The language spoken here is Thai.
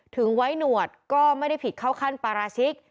ถึงไว้หนวดก็ไม่ได้ผิดเข้าขั้นปาราชิก